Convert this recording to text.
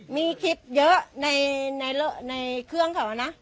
มีคลิปเยอะในเครื่องเขานะ